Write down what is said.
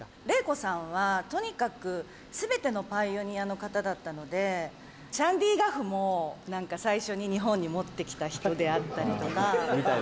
麗子さんはとにかく全てのパイオニアの方だったのでシャンディガフも何か最初に日本に持って来た人であったりとか。